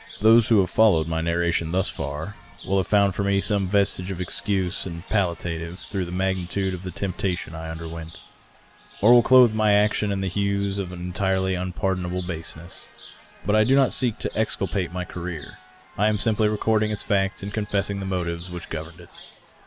Those who have followed my narration thus far either will have found for me some vestige of excuse and pal liative through the magnitude of the temptation I underwent, or will clothe my action in hues of an entirely unpardonable baseness. But I do not seek to exculpate my career ; I am simply recording its fact and confessing, the motives which governed it.